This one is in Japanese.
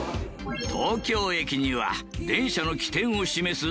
東京駅には電車の起点を示す